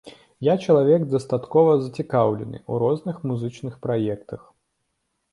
Я чалавек дастаткова зацікаўлены ў розных музычных праектах.